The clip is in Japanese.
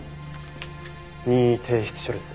任意提出書です。